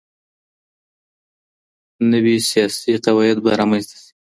نوي سياسي قواعد به رامينځته سي.